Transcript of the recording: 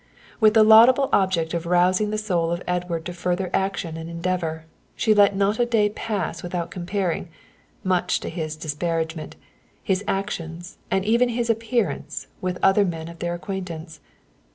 With the laudable object of rousing the soul of Edward to further action and endeavour, she let not a day pass without comparing, much to his disparagement, his actions and even his appearance with other men of their acquaintance.